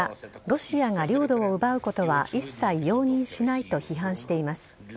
ロシアが領土を奪うことは一切容認しないと批判しています。